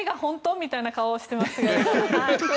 みたいな感じしてます。